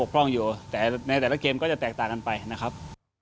กุญสือทีมชาติไทยเปิดเผยว่าน่าจะไม่มีปัญหาสำหรับเกมในนัดชนะเลิศครับ